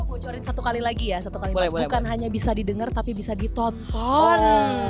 aku bocorin satu kali lagi ya satu kalimat bukan hanya bisa didengar tapi bisa ditonton